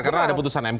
karena ada putusan mk